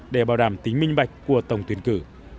để bảo đảm tính minh bạch của tổng tuyển cử